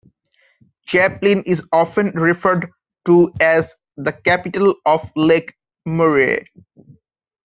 Chapin is often referred to as the capital of Lake Murray.